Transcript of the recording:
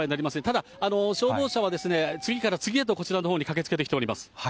ただ、消防車は次から次へとこちらのほうへ駆けつけております。